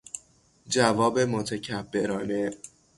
جواب متکبرانه